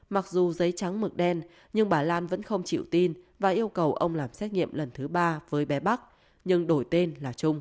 mặc dù giấy trắng mực đen nhưng bà lan vẫn không chịu tin và yêu cầu ông làm xét nghiệm lần thứ ba với bé bắc nhưng đổi tên là trung